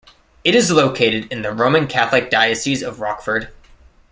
It is located in the Roman Catholic Diocese of Rockford.